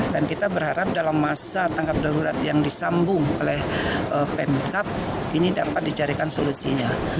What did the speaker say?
dan kita berharap dalam masa tanggap darurat yang disambung oleh pemkap ini dapat dicarikan solusinya